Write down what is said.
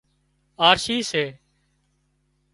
آرشِي سي